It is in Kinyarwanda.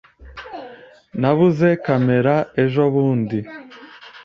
Nabuze kamera ejobundi.